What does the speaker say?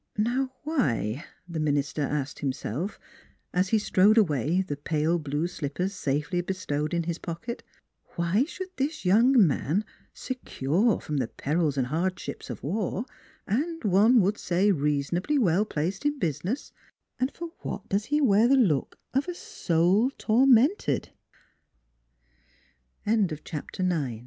" Now, why," the minister asked himself as he strode away, the pale blue slippers safely be stowed in his pocket why should this young man, secure from the perils and hardships of war, and, one would say, reasonably well placed in business and for what does he wear the look of a soul